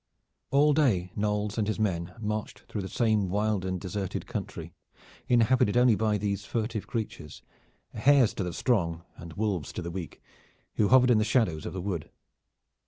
All day Knolles and his men marched through the same wild and deserted country, inhabited only by these furtive creatures, hares to the strong and wolves to the weak, who hovered in the shadows of the wood.